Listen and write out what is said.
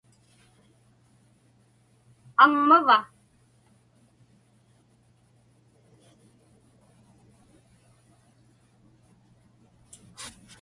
Aŋmava?